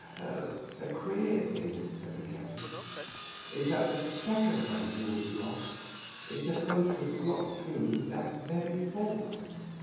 "The queer thing," said the captain, "is that the second man who was lost is supposed to have got through that very port.